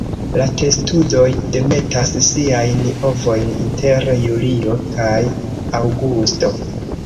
La testudoj demetas siajn ovojn inter julio kaj aŭgusto.